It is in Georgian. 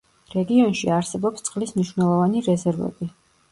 რეგიონში არსებობს წყლის მნიშვნელოვანი რეზერვები.